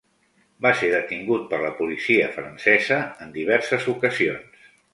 Va ser detingut per la policia francesa en diverses ocasions.